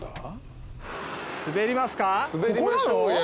滑りますか。